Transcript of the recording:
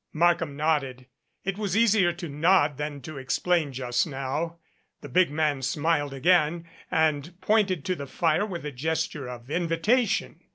Markham nodded. It was easier to nod than to ex plain just now. The big man smiled again and pointed to the fire with a gesture of invitation.